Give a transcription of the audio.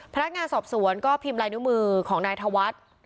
พนักงานสอบสวนก็พิมพ์ลายนิ้วมือของนายธวัฒน์